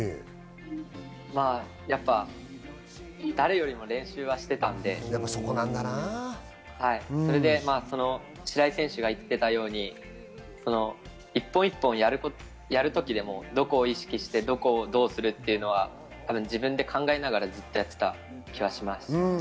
やっぱ誰よりも練習はしていたので白井選手が言っていたように、一本一本やる時でも、どこを意識してどこをどうするというのを自分で考えながらずっとやっていた気がします。